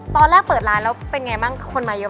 ตอนแรกเปิดร้านแล้วเป็นไงบ้างคนมาเยอะ